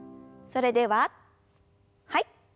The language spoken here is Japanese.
それでははい。